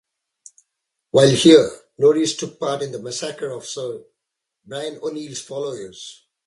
While here Norreys took part in the massacre of Sir Brian O'Neill's followers.